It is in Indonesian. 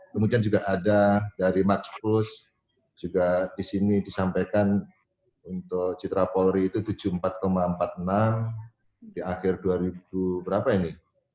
kemudian juga ada dari match plus juga disini disampaikan untuk citra polri itu tujuh puluh empat empat puluh enam di akhir dua ribu berapa ini